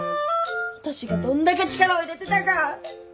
私がどんだけ力を入れてたか！